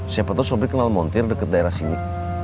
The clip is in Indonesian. siapa tahu sobri kenal montir deket daerah sini